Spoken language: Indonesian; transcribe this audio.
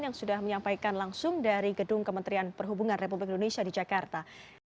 yang sudah menyampaikan langsung dari gedung kementerian perhubungan republik indonesia di jakarta